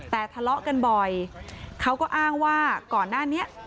แต่ทะเลาะกันบ่อยเขาก็อ้างว่าก่อนหน้านี้